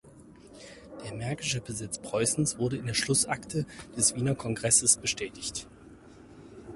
Der märkische Besitz Preußens wurde in der Schlussakte des Wiener Kongresses bestätigt.